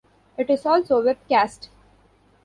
It is also webcast.